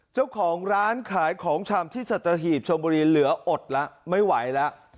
เจ้าของร้านขายของชำที่สัตหีบชมบุรีเหลืออดแล้วไม่ไหวแล้ว